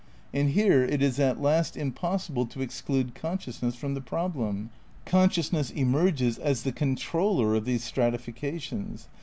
And here it is at last im possible to exclude consciousness from the problem. Consciousness emerges as the controller of these strati fications.